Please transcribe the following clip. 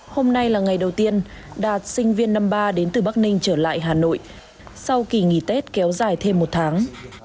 hôm nay là ngày đầu tiên đạt sinh viên năm ba đến từ bắc ninh trở lại hà nội sau kỳ nghỉ tết kéo dài thêm một tháng